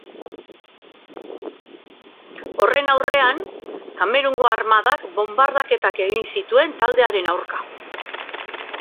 Horren aurrean, Kamerungo armadak bonbardaketak egin zituen taldearen aurka.